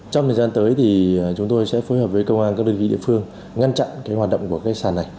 trong thời gian tới thì chúng tôi sẽ phối hợp với công an các đơn vị địa phương ngăn chặn hoạt động của sàn này